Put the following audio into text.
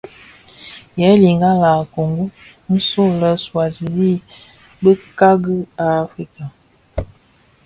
Yèè lingala a Kongo, nso lè Swuahili bi kpagi a Afrika.